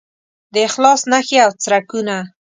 د اخلاص نښې او څرکونه